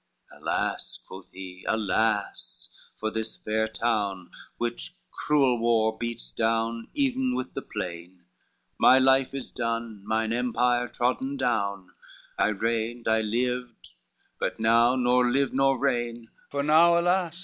"Alas!" quoth he, "alas, for this fair town, Which cruel war beats down even with the plain, My life is done, mine empire trodden down, I reigned, I lived, but now nor live nor reign; For now, alas!